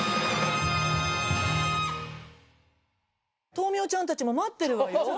豆苗ちゃんたちも待ってるわよ。